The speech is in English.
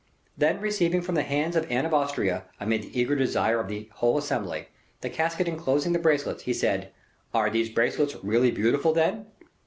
Then receiving from the hands of Anne of Austria, amid the eager desire of the whole assembly, the casket inclosing the bracelets, he said, "Are these bracelets really beautiful, then?"